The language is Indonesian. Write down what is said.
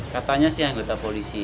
katanya sih anggota polisi